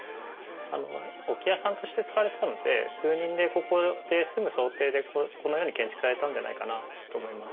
置き屋さんとして使われてたので数人でここで住む想定でこのように建築されたんじゃないかなと思います。